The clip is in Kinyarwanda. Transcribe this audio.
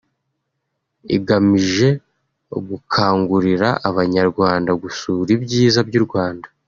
igamije gukangurira abanyarwanda gusura ibyiza by’u Rwanda